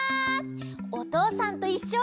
「おとうさんといっしょ」